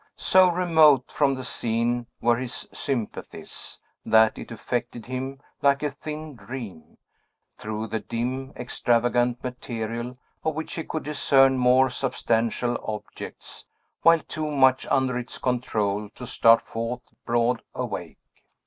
So remote from the scene were his sympathies, that it affected him like a thin dream, through the dim, extravagant material of which he could discern more substantial objects, while too much under its control to start forth broad awake.